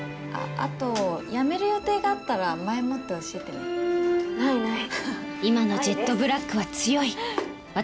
あと辞める予定があったら前もって教えてねないない